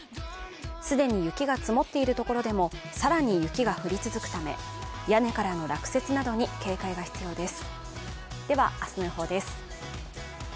既に雪が積もっている所でも更に雪が降り続くため、屋根からの落雪などに警戒が必要です。